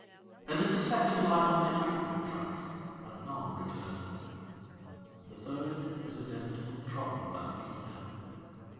And in the second lie only outward tracks, and none return. The third is a desert untrodden by the feet of men.